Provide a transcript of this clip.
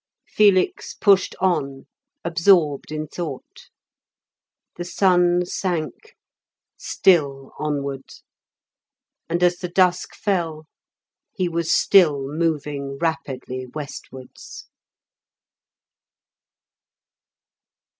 Felix pushed on, absorbed in thought. The sun sank; still onward; and as the dusk fell he was still moving rapidly westwards.